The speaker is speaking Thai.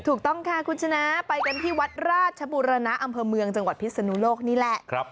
ถูกต้องค่ะคุณชนะไปกันที่วัดราชบุรณะอำเภอเมืองจังหวัดพิศนุโลกนี่แหละ